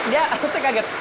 dia asetnya kaget